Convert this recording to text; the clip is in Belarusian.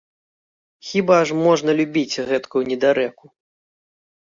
Хіба ж можна любіць гэткую недарэку!